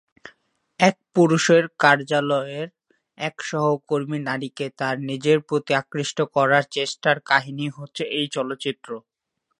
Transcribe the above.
এক পুরুষের কার্যালয়ের এক সহকর্মী নারীকে তার নিজের প্রতি আকৃষ্ট করার চেষ্টার কাহিনী হচ্ছে এই চলচ্চিত্র।